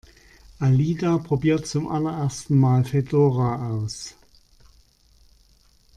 Alida probiert zum allerersten Mal Fedora aus.